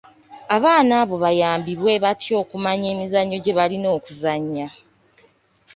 Abaana abo bayambibwe batya okumanya emizannyo gye balina okuzannya.